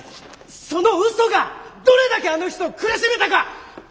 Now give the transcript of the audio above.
そのうそがどれだけあの人を苦しめたか！